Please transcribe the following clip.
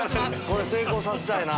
これ成功させたいな。